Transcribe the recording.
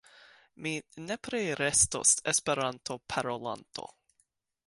Mi nepre restos Esperanto-parolanto.